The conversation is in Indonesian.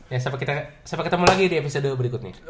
ya sampai ketemu lagi di episode berikut nih